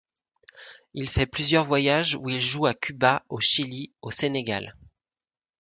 Il fait plusieurs voyages où il joue à Cuba, au Chili, au Sénégal.